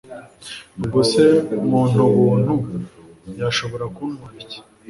ubwo se muntu buntu yashobora kuntwara iki?